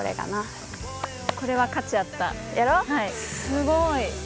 すごい！